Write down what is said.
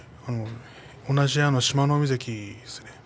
同じ部屋の志摩ノ海関ですね。